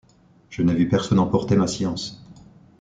Je n’ai vu personne emporter ma science.